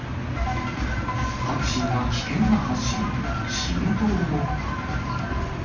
タクシーが危険な発進、死ぬと思った。